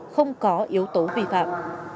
không có yếu tố vi phạm